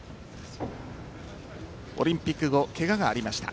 オリンピック後ケガがありました。